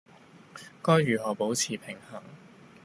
該如何保持平衡